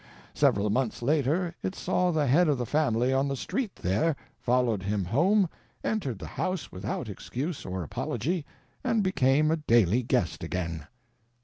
Several months later it saw the head of the family on the street there, followed him home, entered the house without excuse or apology, and became a daily guest again.